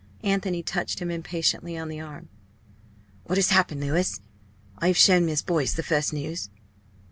Anthony touched him impatiently on the arm. "What has happened, Louis? I have shown Miss Boyce the first news."